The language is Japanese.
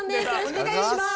お願いします。